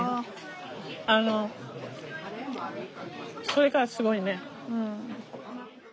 それがすごいね。